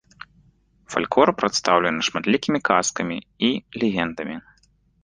Фальклор прадстаўлены шматлікімі казкамі і легендамі.